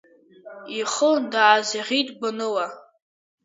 Ихы даазаӷьит гәаныла.